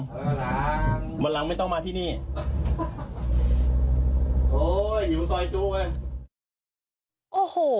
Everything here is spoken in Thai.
ไวนหลังมันหลังไม่ต้องมาที่นี่โอ้ยหิวสายจุเลยโอ้โห